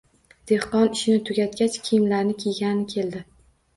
Dehqon ishini tugatgach, kiyimlarini kiygani keldi